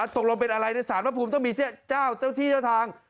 ตกลงเป็นอะไรในสารพระภูมิต้องมีเสี้ยเจ้าเจ้าที่เจ้าทาง